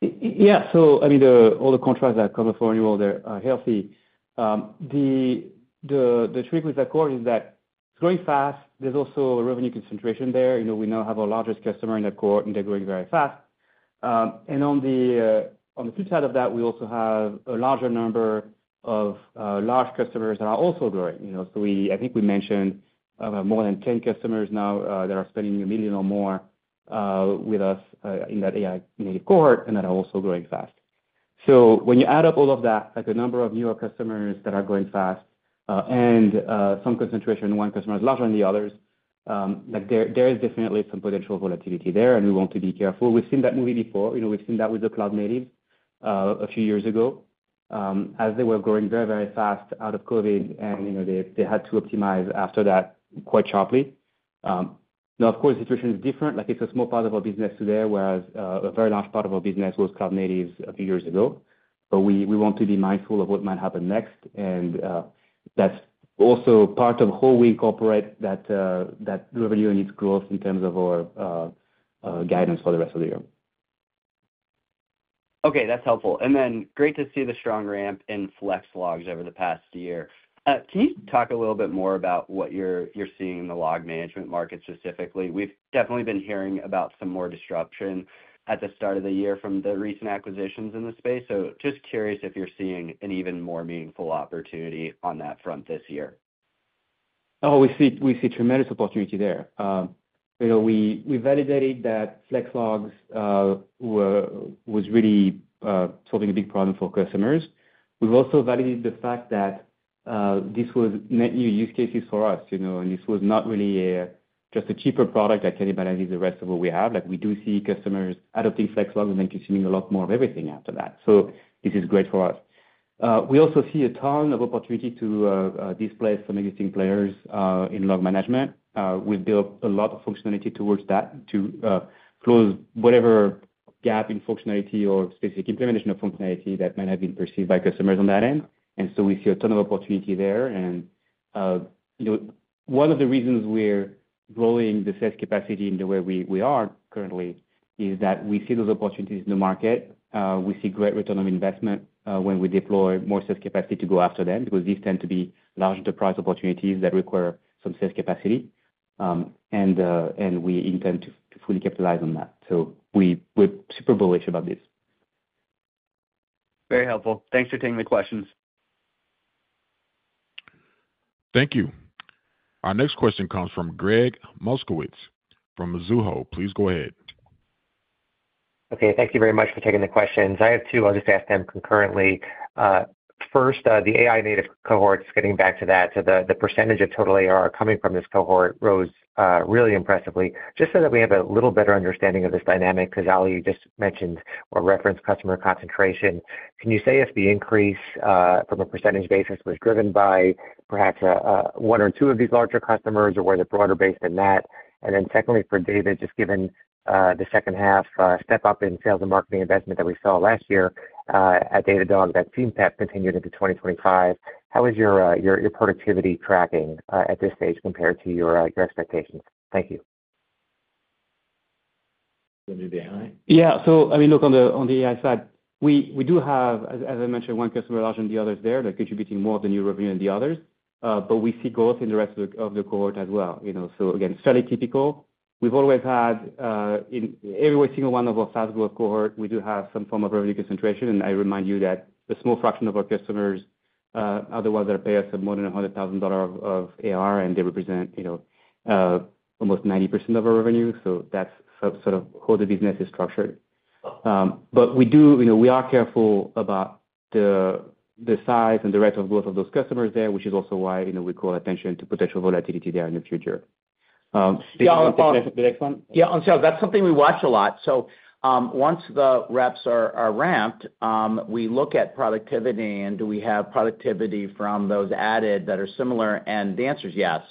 Yeah. I mean, all the contracts that have come up for renewal, they're healthy. The trick with the cohort is that it's growing fast. There's also a revenue concentration there. We now have our largest customer in the cohort, and they're growing very fast. On the flip side of that, we also have a larger number of large customers that are also growing. I think we mentioned more than 10 customers now that are spending $1 million or more with us in that AI native cohort, and that are also growing fast. When you add up all of that, the number of newer customers that are growing fast and some concentration on one customer is larger than the others, there is definitely some potential volatility there, and we want to be careful. We've seen that movie before. We've seen that with the cloud natives a few years ago as they were growing very, very fast out of COVID, and they had to optimize after that quite sharply. Now, of course, the situation is different. It's a small part of our business today, whereas a very large part of our business was cloud natives a few years ago. We want to be mindful of what might happen next. That's also part of how we incorporate that revenue and its growth in terms of our guidance for the rest of the year. Okay. That's helpful. Great to see the strong ramp in Flex Logs over the past year. Can you talk a little bit more about what you're seeing in the log management market specifically? We've definitely been hearing about some more disruption at the start of the year from the recent acquisitions in the space. Just curious if you're seeing an even more meaningful opportunity on that front this year. Oh, we see tremendous opportunity there. We validated that Flex Logs was really solving a big problem for customers. We've also validated the fact that this was net new use cases for us. This was not really just a cheaper product that can be balanced with the rest of what we have. We do see customers adopting Flex Logs and then consuming a lot more of everything after that. This is great for us. We also see a ton of opportunity to displace some existing players in log management. We've built a lot of functionality towards that to close whatever gap in functionality or specific implementation of functionality that might have been perceived by customers on that end. We see a ton of opportunity there. One of the reasons we're growing the sales capacity in the way we are currently is that we see those opportunities in the market. We see great return on investment when we deploy more sales capacity to go after them because these tend to be large enterprise opportunities that require some sales capacity. We intend to fully capitalize on that. We're super bullish about this. Very helpful. Thanks for taking the questions. Thank you. Our next question comes from Gregg Moskowitz from Mizuho. Please go ahead. Okay. Thank you very much for taking the questions. I have two. I'll just ask them concurrently. First, the AI native cohorts, getting back to that, so the percentage of total ARR coming from this cohort rose really impressively. Just so that we have a little better understanding of this dynamic because Oli just mentioned or referenced customer concentration. Can you say if the increase from a percentage basis was driven by perhaps one or two of these larger customers or were they broader-based than that? Secondly, for David, just given the second-half step-up in sales and marketing investment that we saw last year at Datadog that seemed to have continued into 2025, how is your productivity tracking at this stage compared to your expectations? Thank you. Revenue to AI? Yeah. I mean, look, on the AI side, we do have, as I mentioned, one customer large and the others there that are contributing more to your revenue than the others. We see growth in the rest of the cohort as well. Again, fairly typical. We've always had in every single one of our SaaS growth cohorts, we do have some form of revenue concentration. I remind you that a small fraction of our customers are the ones that pay us more than $100,000 of ARR, and they represent almost 90% of our revenue. That is sort of how the business is structured. We are careful about the size and the rate of growth of those customers there, which is also why we call attention to potential volatility there in the future. Yeah. On sales, that's something we watch a lot. Once the reps are ramped, we look at productivity. Do we have productivity from those added that are similar? The answer is yes.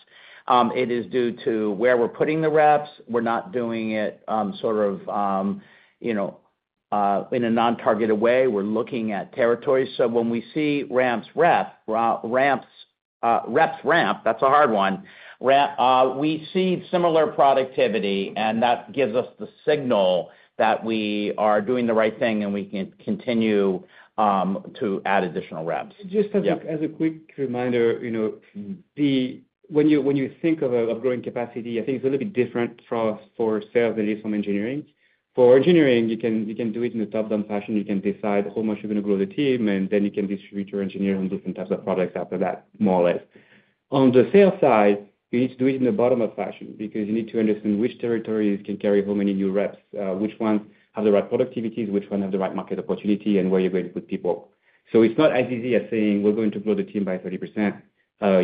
It is due to where we're putting the reps. We're not doing it sort of in a non-targeted way. We're looking at territories. When we see ramps reps, reps ramp, that's a hard one. We see similar productivity, and that gives us the signal that we are doing the right thing and we can continue to add additional reps. Just as a quick reminder, when you think of upgrading capacity, I think it's a little bit different for sales than it is for engineering. For engineering, you can do it in a top-down fashion. You can decide how much you're going to grow the team, and then you can distribute your engineers on different types of products after that, more or less. On the sales side, you need to do it in a bottom-up fashion because you need to understand which territories can carry how many new reps, which ones have the right productivities, which ones have the right market opportunity, and where you're going to put people. It is not as easy as saying, "We're going to grow the team by 30%."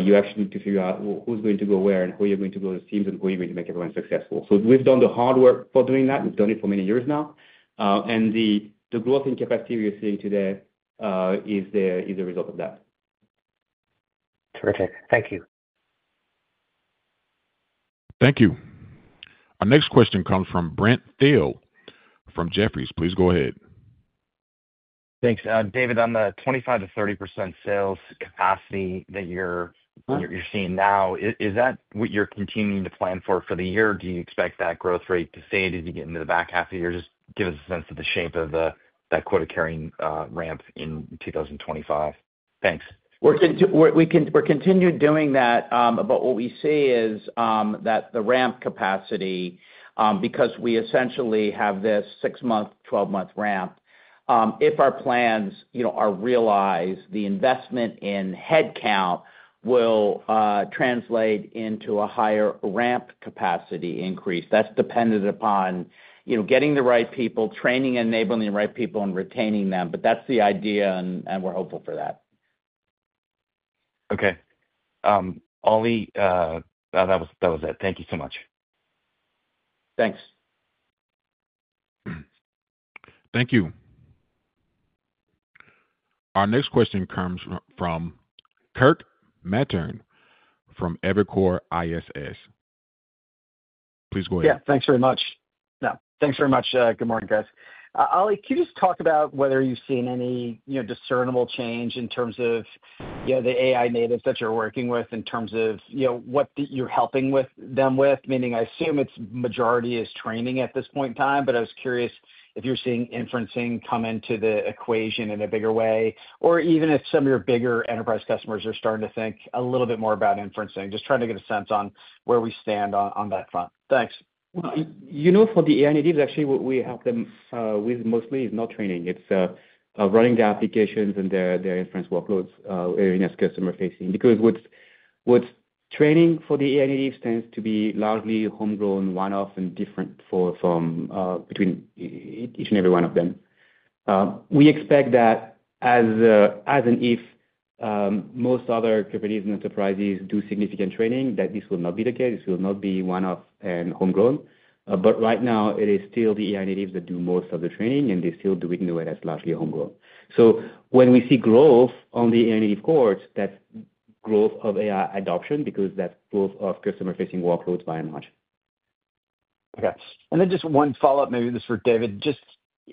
You actually need to figure out who's going to go where and who you're going to grow the teams and who you're going to make everyone successful. We have done the hard work for doing that. We have done it for many years now. The growth and capacity we are seeing today is the result of that. Terrific. Thank you. Thank you. Our next question comes from Brent Thill from Jefferies. Please go ahead. Thanks. David, on the 25%-30% sales capacity that you're seeing now, is that what you're continuing to plan for for the year? Do you expect that growth rate to fade as you get into the back half of the year? Just give us a sense of the shape of that quota carrying ramp in 2025. Thanks. We're continuing doing that. What we see is that the ramp capacity, because we essentially have this 6-month, 12-month ramp, if our plans are realized, the investment in headcount will translate into a higher ramp capacity increase. That's dependent upon getting the right people, training and enabling the right people, and retaining them. That's the idea, and we're hopeful for that. Okay. Oli, that was it. Thank you so much. Thanks. Thank you. Our next question comes from Kirk Materne from Evercore ISI. Please go ahead. Yeah. Thanks very much. Yeah. Thanks very much. Good morning, guys. Oli, can you just talk about whether you've seen any discernible change in terms of the AI natives that you're working with in terms of what you're helping them with? Meaning, I assume its majority is training at this point in time, but I was curious if you're seeing inferencing come into the equation in a bigger way, or even if some of your bigger enterprise customers are starting to think a little bit more about inferencing, just trying to get a sense on where we stand on that front. Thanks. For the AI natives, actually, what we help them with mostly is not training. It's running the applications and their inference workloads in a customer-facing because what training for the AI natives tends to be largely homegrown, one-off, and different between each and every one of them. We expect that as and if most other companies and enterprises do significant training, that this will not be the case. This will not be one-off and homegrown. Right now, it is still the AI natives that do most of the training, and they still do it in a way that's largely homegrown. When we see growth on the AI native cohorts, that's growth of AI adoption because that's growth of customer-facing workloads by and large. Okay. Just one follow-up, maybe this for David.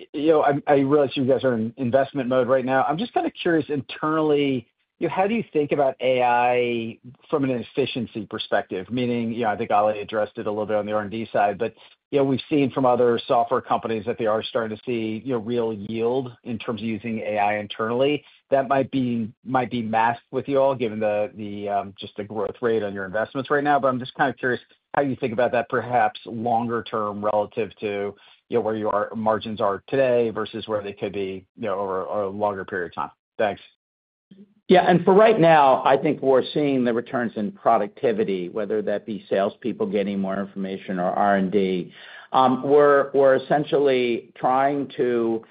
I realize you guys are in investment mode right now. I'm just kind of curious internally, how do you think about AI from an efficiency perspective? Meaning, I think Oli addressed it a little bit on the R&D side, but we've seen from other software companies that they are starting to see real yield in terms of using AI internally. That might be masked with you all, given just the growth rate on your investments right now. I am just kind of curious how you think about that perhaps longer term relative to where your margins are today versus where they could be over a longer period of time. Thanks. Yeah. For right now, I think we are seeing the returns in productivity, whether that be salespeople getting more information or R&D. We are essentially trying to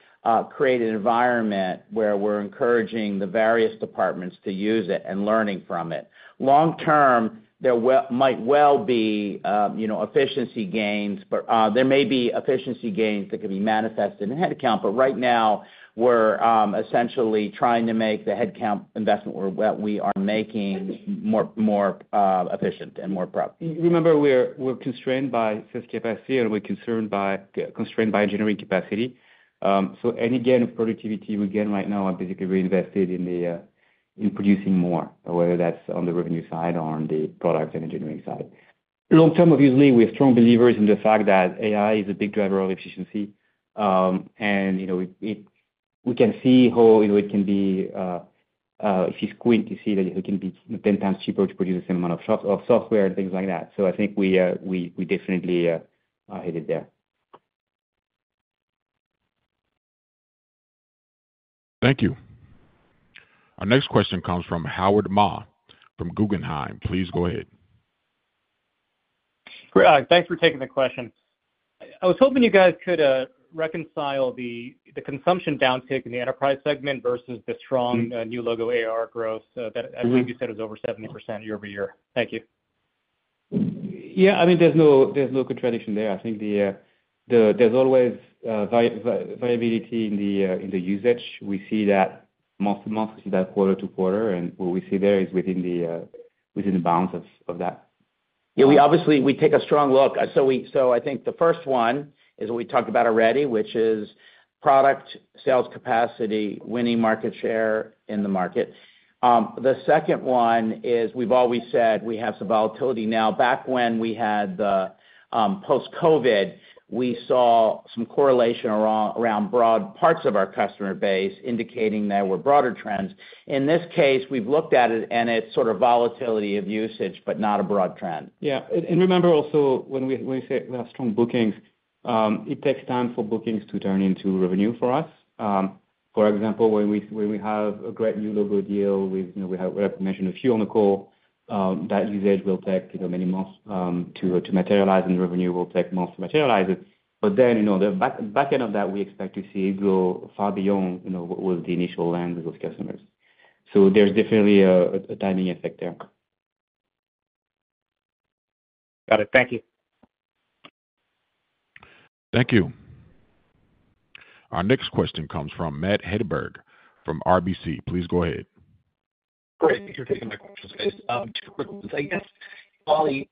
create an environment where we are encouraging the various departments to use it and learning from it. Long term, there might well be efficiency gains, but there may be efficiency gains that could be manifested in headcount. Right now, we are essentially trying to make the headcount investment that we are making more efficient and more proper. Remember, we are constrained by sales capacity, and we are constrained by engineering capacity. Any gain of productivity we gain right now, I'm basically reinvested in producing more, whether that's on the revenue side or on the product and engineering side. Long term, obviously, we're strong believers in the fact that AI is a big driver of efficiency. We can see how it can be if you squint, you see that it can be 10x cheaper to produce the same amount of software and things like that. I think we definitely are headed there. Thank you. Our next question comes from Howard Ma from Guggenheim. Please go ahead. Thanks for taking the question. I was hoping you guys could reconcile the consumption downtick in the enterprise segment versus the strong new logo ARR growth that, I believe, you said was over 70% year-over-year. Thank you. Yeah. I mean, there's no contradiction there. I think there's always variability in the usage. We see that month to month. We see that quarter-to-quarter. What we see there is within the bounds of that. Yeah. Obviously, we take a strong look. I think the first one is what we talked about already, which is product sales capacity, winning market share in the market. The second one is we've always said we have some volatility now. Back when we had the post-COVID, we saw some correlation around broad parts of our customer base indicating there were broader trends. In this case, we've looked at it and it's sort of volatility of usage, but not a broad trend. Yeah. Remember also when we say we have strong bookings, it takes time for bookings to turn into revenue for us. For example, when we have a great new logo deal, we have mentioned a few on the call, that usage will take many months to materialize, and revenue will take months to materialize. Then the back end of that, we expect to see it go far beyond what was the initial land with those customers. There is definitely a timing effect there. Got it. Thank you. Thank you. Our next question comes from Matt Hedberg from RBC. Please go ahead. Great. Thank you for taking my questions. Just two quick ones. I guess, Oli,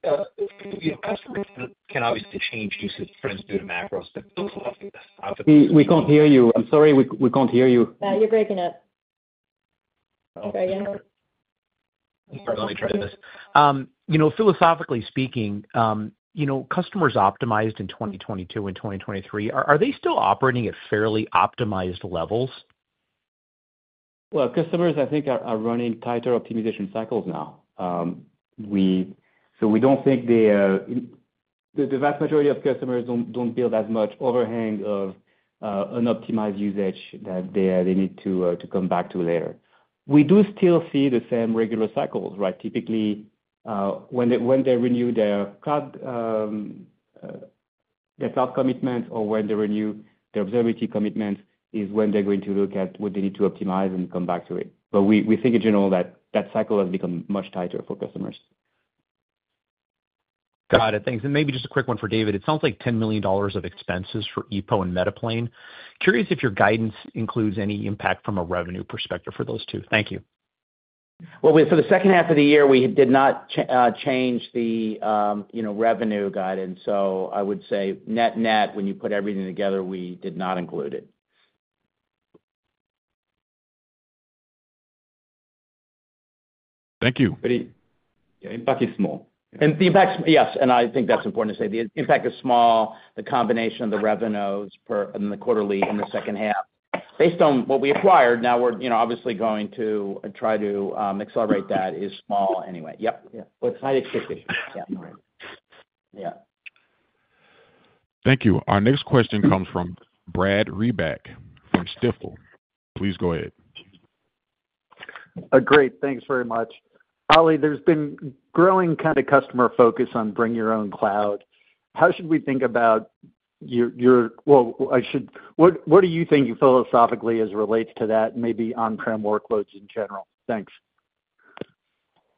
customers can obviously change usage trends due to macros, but philosophically— We can't hear you. I'm sorry. We can't hear you. You're breaking up. Okay. Let me try this. Philosophically speaking, customers optimized in 2022 and 2023, are they still operating at fairly optimized levels? Customers, I think, are running tighter optimization cycles now. We don't think the vast majority of customers build as much overhang of unoptimized usage that they need to come back to later. We do still see the same regular cycles, right? Typically, when they renew their cloud commitment or when they renew their observability commitment is when they're going to look at what they need to optimize and come back to it. We think, in general, that that cycle has become much tighter for customers. Got it. Thanks. Maybe just a quick one for David. It sounds like $10 million of expenses for Eppo and Metaplane. Curious if your guidance includes any impact from a revenue perspective for those two. Thank you. For the second half of the year, we did not change the revenue guidance. I would say net-net, when you put everything together, we did not include it. Thank you. Yeah. Impact is small. Yes. I think that's important to say. The impact is small, the combination of the revenues in the quarterly and the second half. Based on what we acquired, now we're obviously going to try to accelerate that is small anyway. Yep. High expectations. Yeah. Yeah. Thank you. Our next question comes from Brad Reback from Stifel. Please go ahead. Great. Thanks very much. Oli, there's been growing kind of customer focus on bring your own cloud. How should we think about your—well, I should—what do you think philosophically as it relates to that, maybe on-prem workloads in general? Thanks.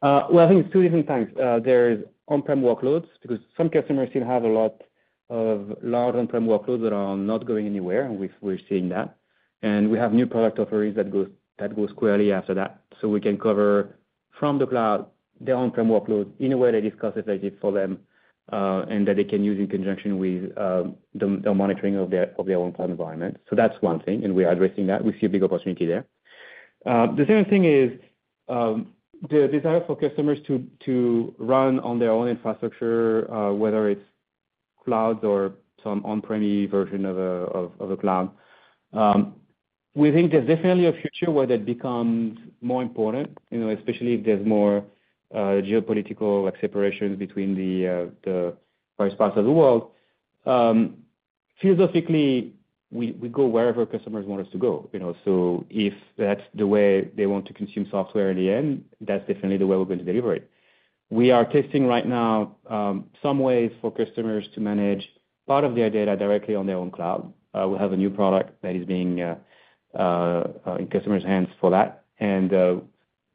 I think it's two different things. There is on-prem workloads because some customers still have a lot of large on-prem workloads that are not going anywhere, and we're seeing that. We have new product offerings that go squarely after that. We can cover from the cloud their on-prem workloads in a way that is cost-effective for them and that they can use in conjunction with the monitoring of their on-prem environment. That is one thing, and we're addressing that. We see a big opportunity there. The second thing is the desire for customers to run on their own infrastructure, whether it's clouds or some on-prem version of a cloud. We think there's definitely a future where that becomes more important, especially if there's more geopolitical separations between the various parts of the world. Philosophically, we go wherever customers want us to go. If that's the way they want to consume software in the end, that's definitely the way we're going to deliver it. We are testing right now some ways for customers to manage part of their data directly on their own cloud. We have a new product that is being in customers' hands for that.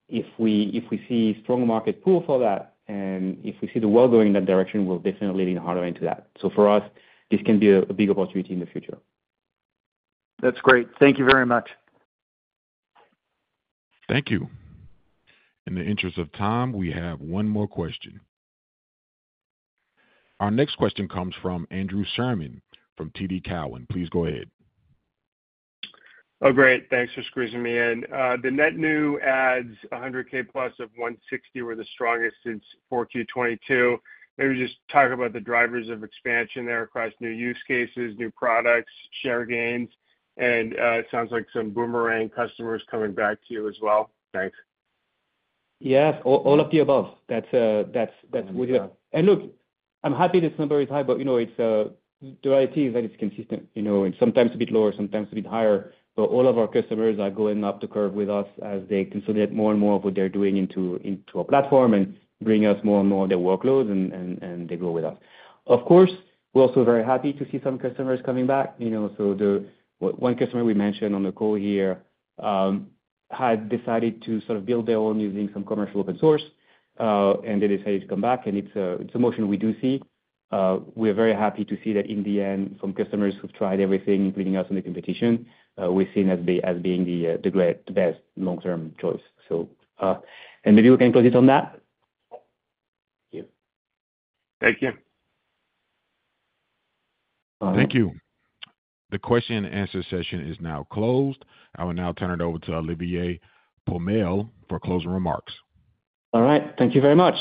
If we see a strong market pull for that and if we see the world going in that direction, we'll definitely lean harder into that. For us, this can be a big opportunity in the future. That's great. Thank you very much. Thank you. In the interest of time, we have one more question. Our next question comes from Andrew Sherman from TD Cowen. Please go ahead. Oh, great. Thanks for squeezing me in. The net new adds $100,000+ of 160 were the strongest since Q4 2022. Maybe just talk about the drivers of expansion there across new use cases, new products, share gains, and it sounds like some boomerang customers coming back to you as well. Thanks. Yes. All of the above. That's good. Look, I'm happy this number is high, but the reality is that it's consistent. It's sometimes a bit lower, sometimes a bit higher. All of our customers are going up the curve with us as they consolidate more and more of what they're doing into a platform and bring us more and more of their workloads, and they go with us. Of course, we're also very happy to see some customers coming back. One customer we mentioned on the call here had decided to sort of build their own using some commercial open source, and they decided to come back. It's a motion we do see. We're very happy to see that in the end, some customers who've tried everything, including us in the competition, we're seen as being the best long-term choice. Maybe we can close it on that. Thank you. Thank you. Thank you. The question-and-answer session is now closed. I will now turn it over to Olivier Pomel for closing remarks. All right. Thank you very much.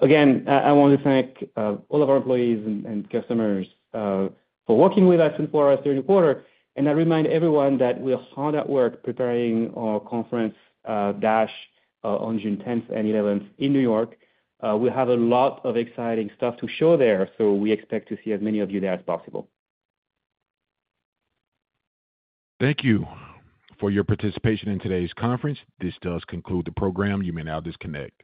Again, I want to thank all of our employees and customers for working with us and for us during the quarter. I remind everyone that we're hard at work preparing our conference DASH on June 10th and 11th in New York. We have a lot of exciting stuff to show there, so we expect to see as many of you there as possible. Thank you for your participation in today's conference. This does conclude the program. You may now disconnect.